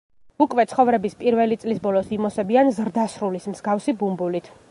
უკვე ცხოვრების პირველი წლის ბოლოს იმოსებიან ზრდასრულის მსგავსი ბუმბულით.